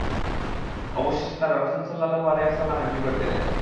অবশেষে তারা রাসূল সাল্লাল্লাহু আলাইহি ওয়াসাল্লামের নিকট গেলেন।